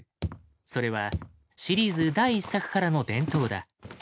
それはシリーズ第１作からの伝統だ。